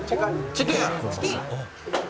チキン？